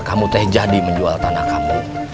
kamu teh jadi menjual tanah kamu